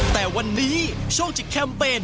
แต่วันนี้ช่วงจิกแคมเปญ